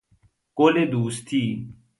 گل دوستی